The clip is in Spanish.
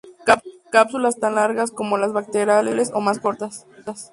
Cápsulas tan largas como las brácteas florales o más cortas.